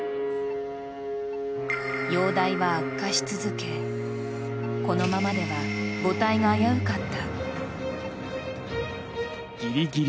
容体は悪化し続け、このままでは母体が危うかった。